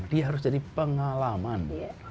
dia harus jadi pengalaman